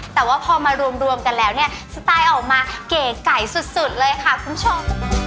แต่ว่าพอมารวมกันแล้วเนี่ยสไตล์ออกมาเก๋ไก่สุดเลยค่ะคุณผู้ชม